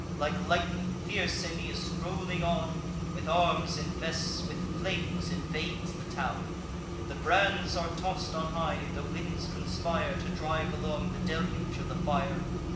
Like lightning, fierce Aeneas, rolling on, With arms invests, with flames invades the town: The brands are toss'd on high; the winds conspire To drive along the deluge of the fire.